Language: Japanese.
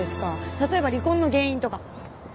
例えば離婚の原因とか。